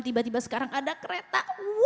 tiba tiba sekarang ada kereta